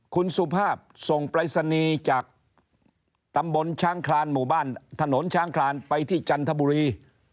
คุณสุภาพส่งปรายศนีย์จากตำบลช้างคลานหมู่บ้านถนนช้างคลานไปที่จันทบุรี